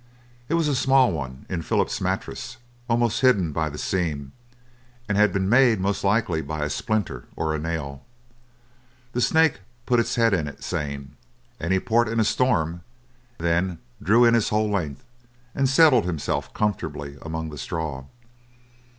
It was a small one, in Philip's mattress, almost hidden by the seam, and had been made most likely by a splinter or a nail. The snake put his head in it, saying, "Any port in a storm," then drew in his whole length, and settled himself comfortably among the straw.